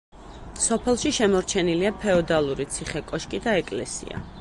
სოფელში შემორჩენილია ფეოდალური ციხე-კოშკი და ეკლესია.